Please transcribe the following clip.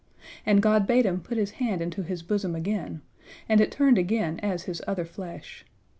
And God bade him put his hand into his bosom again, and it turned again as his other flesh.